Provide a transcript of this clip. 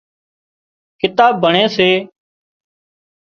ڪتاب ڀڻي سي